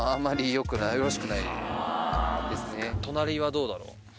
隣はどうだろう？